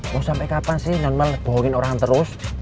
lo sampe kapan sih non mel bohongin orang terus